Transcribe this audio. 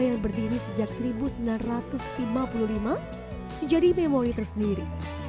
yang berdiri sejak seribu sembilan ratus lima puluh lima menjadi memori tersendiri